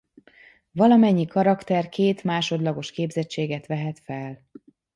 Valamennyi karakter két másodlagos képzettséget vehet fel.